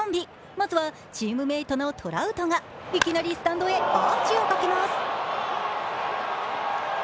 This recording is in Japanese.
まずはチームメートのトラウトがいきなりスタンドへアーチをかけます。